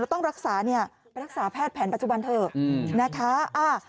แล้วต้องรักษาไปรักษาแพทย์แผนปัจจุบันเถอะ